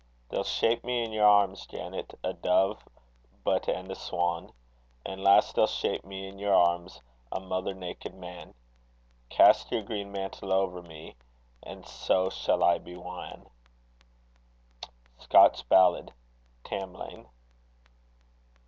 They'll shape me in your arms, Janet, A dove, but and a swan; And last, they'll shape me in your arms A mother naked man: Cast your green mantle over me And sae shall I be wan. Scotch Ballad: Tamlane.